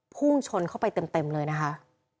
พุ่งชนเข้าไปเต็มเลยนะคะ